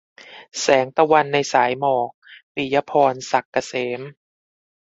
แสงตะวันในสายหมอก - ปิยะพร ศักดิ์เกษม